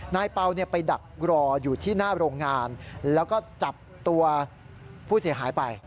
เป่าไปดักรออยู่ที่หน้าโรงงานแล้วก็จับตัวผู้เสียหายไป